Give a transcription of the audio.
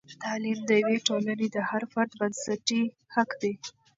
تعلیم د یوې ټولنې د هر فرد بنسټي حق دی.